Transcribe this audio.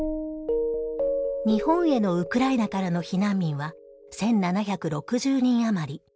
日本へのウクライナからの避難民は１７６０人余り。